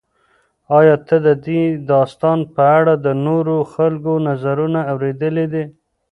ایا ته د دې داستان په اړه د نورو خلکو نظرونه اورېدلي دي؟